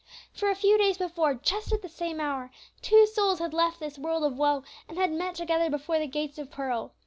For a few days before, just at the same hour, two souls had left this world of woe, and had met together before the gates of pearl.